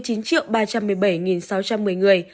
trong đó có chín bảy trăm một mươi bảy sáu trăm một mươi người